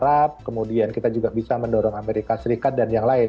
arab kemudian kita juga bisa mendorong amerika serikat dan yang lain